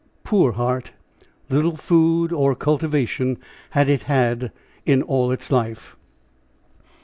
Poor heart! little food or cultivation had it had in all its life.